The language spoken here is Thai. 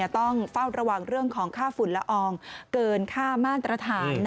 ต้องเฝ้าระวังเรื่องของค่าฝุ่นละอองเกินค่ามาตรฐาน